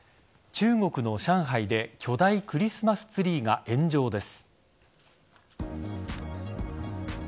中国の上海で巨大クリスマスツリーが炎上です。